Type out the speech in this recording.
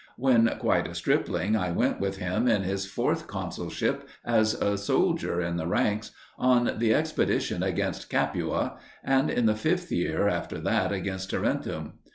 When quite a stripling I went with him in his fourth consulship as a soldier in the ranks, on the expedition against Capua, and in the fifth year after that against Tarentum.